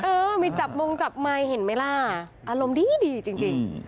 เออมีจับมงจับไมค์เห็นไหมล่ะอารมณ์ดีดีจริง